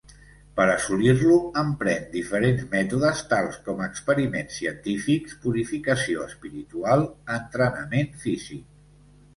Per a assolir-lo, empren diferents mètodes, tals com experiments científics, purificació espiritual, entrenament físic.